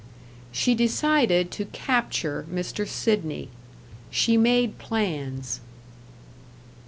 She decided to capture Mr. Sidney. She made plans.